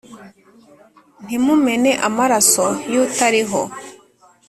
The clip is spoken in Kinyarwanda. Ntimumene amaraso y utariho